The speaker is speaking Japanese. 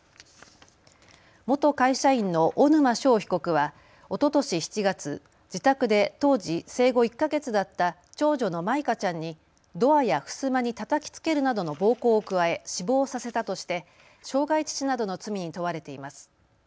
元会社員の小沼勝被告はおととし７月、自宅で当時生後１か月だった長女の舞香ちゃんにドアやふすまにたたきつけるなどの暴行を加え、死亡させたとして傷害致死などの罪に問われています。